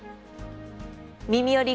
「みみより！